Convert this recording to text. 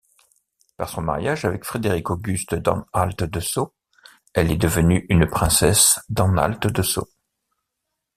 Par son mariage avec Frédéric-Auguste d'Anhalt-Dessau, elle est devenue une princesse d'Anhalt-Dessau.